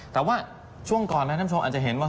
แต่ว่าช่วงก่อนนะท่านผู้ชมอาจจะเห็นว่า